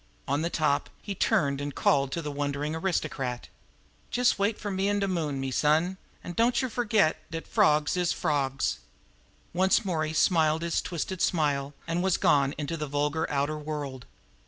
On the top he turned and called to the wondering aristocrat: "Jes' wait fer me an' de moon, me son, an' dontcher fergit dat frawgs is frawgs!" Once more he smiled his twisted smile, and was gone into the vulgar outer world.